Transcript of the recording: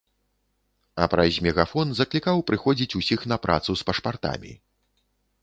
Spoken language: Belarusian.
А праз мегафон заклікаў прыходзіць усіх на працу з пашпартамі.